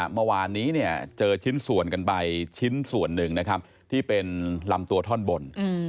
เมื่อวานนี้เนี่ยเจอชิ้นส่วนกันไปชิ้นส่วนหนึ่งนะครับที่เป็นลำตัวท่อนบน